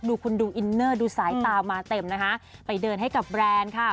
คุณดูอินเนอร์ดูสายตามาเต็มนะคะไปเดินให้กับแบรนด์ค่ะ